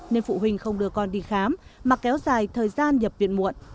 nên phụ huynh không đưa con đi khám mà kéo dài thời gian nhập viện muộn